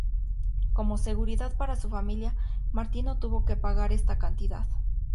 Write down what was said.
Como seguridad para su familia, Martino tuvo que pagar esta cantidad.